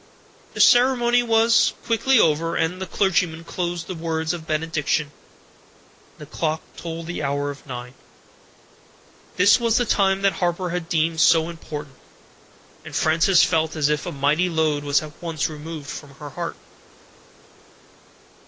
The ceremony was quickly over, and as the clergyman closed the words of benediction, the clock told the hour of nine. This was the time that Harper had deemed so important, and Frances felt as if a mighty load was at once removed from her heart.